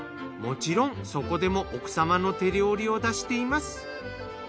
もちろんそこでも奥様の手料理を出しています。